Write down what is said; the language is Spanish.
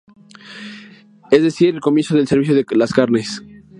Es decir, al comienzo del servicio de las carnes.